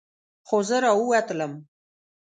خو زه راووتلم.